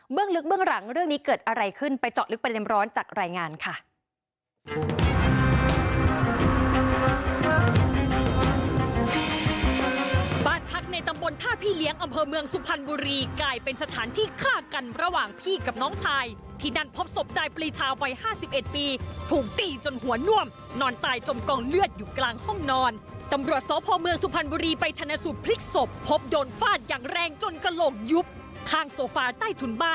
ลึกเบื้องหลังเรื่องนี้เกิดอะไรขึ้นไปเจาะลึกประเด็นร้อนจากรายงานค่ะ